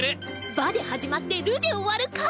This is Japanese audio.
「バ」で始まって「ル」で終わる彼！